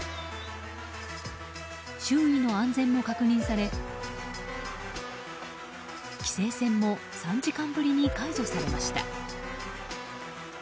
周囲の安全も確認され規制線も３時間ぶりに解除されました。